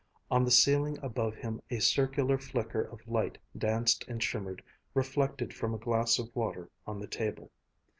On the ceiling above him a circular flicker of light danced and shimmered, reflected from a glass of water on the table.